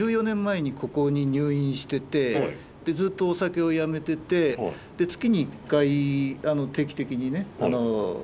１４年前にここに入院しててでずっとお酒をやめててで月に一回定期的にね